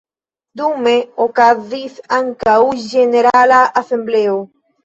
Dume okazis ankaŭ ĝenerala asembleo.